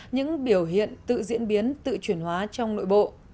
những biểu hiện tự diễn biến tự chuyển hóa trong nội bộ